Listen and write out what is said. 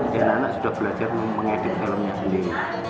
dan anak anak sudah belajar mengedit filmnya sendiri